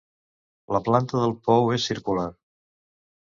La planta del pou és circular.